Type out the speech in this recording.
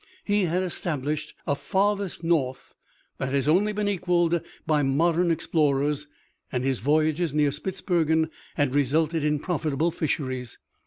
He had established a "farthest north" that has only been equaled by modern explorers, and his voyages near Spitzbergen had resulted in profitable fisheries.